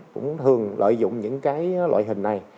cũng thường lợi dụng những loại hình này